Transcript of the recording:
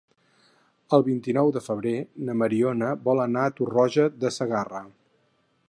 El vint-i-nou de febrer na Mariona vol anar a Tarroja de Segarra.